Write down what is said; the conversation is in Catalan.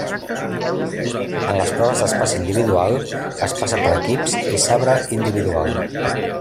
En les proves d'espasa individual, espasa per equips i sabre individual.